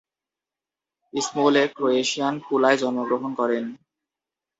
স্মোলেক ক্রোয়েশিয়ার পুলায় জন্মগ্রহণ করেন।